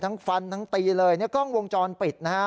ฟันทั้งตีเลยเนี่ยกล้องวงจรปิดนะฮะ